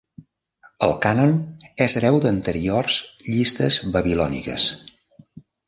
El Cànon és hereu d'anteriors llistes babilòniques.